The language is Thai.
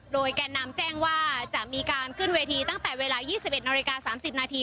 โดยแก่นำแจ้งว่าจะมีการขึ้นเวทีตั้งแต่เวลา๒๑นาฬิกา๓๐นาที